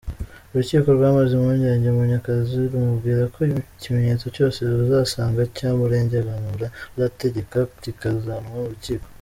Urukiko rwamaze impungenge Munyakazi rumubwira ko ikimenyetso cyose ruzasanga cyamurenganura ruzategeka kikazanwa mu rukiko.